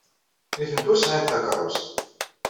Nitenti ur sɛint takeṛṛust.